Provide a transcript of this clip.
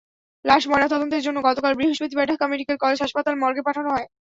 লাশ ময়নাতদন্তের জন্য গতকাল বৃহস্পতিবার ঢাকা মেডিকেল কলেজ হাসপাতাল মর্গে পাঠানো হয়।